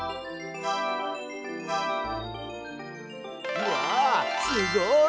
うわすごい！